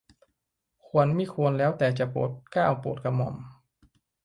ควรมิควรแล้วแต่จะโปรดเกล้าโปรดกระหม่อม